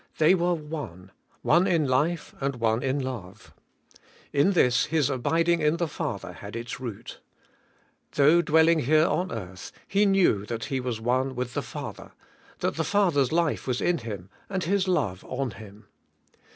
They were one— one in life and one in love. In this His abiding in the Father had its root. Though dwelling here on earth, He knew that He was One with the Father; that the Father's life was in Him, and His love on Him.